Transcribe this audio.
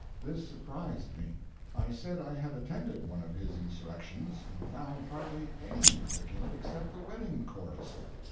This surprised me. I said I had attended one of his insurrections, and found hardly ANY music in it except the Wedding Chorus.